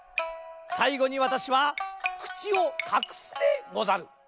さいごにわたしはくちをかくすでござる。